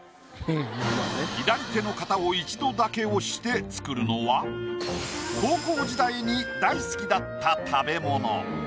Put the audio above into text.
左手の形を一度だけ押して作るのは高校時代に大好きだった食べ物。